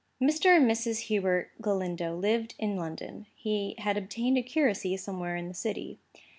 Mr. and Mrs. Hubert Galindo lived in London. He had obtained a curacy somewhere in the city.